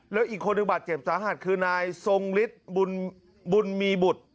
แล้วอีกคนหนึ่งบาดเจ็บสาหัสคือนายทรงฤทธิ์บุญมีบุตร